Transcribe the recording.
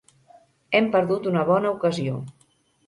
Hem perdut una bona ocasió.